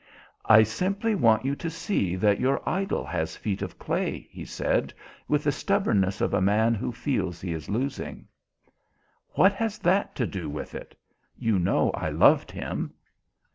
"I simply want you to see that your idol has feet of clay," he said, with the stubbornness of a man who feels he is losing. "What has that to do with it? You know I loved him."